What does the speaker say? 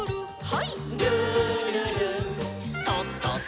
はい。